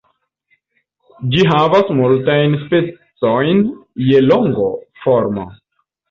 Ĝi havas multajn specojn je longo, formo.